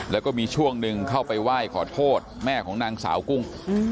แล้วก็มีช่วงหนึ่งเข้าไปไหว้ขอโทษแม่ของนางสาวกุ้ง